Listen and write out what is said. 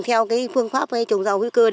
theo cái phương pháp trồng rau hữu cơ